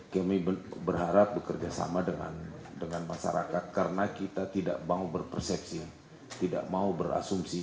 kami berharap bekerja sama dengan masyarakat karena kita tidak mau berpersepsi tidak mau berasumsi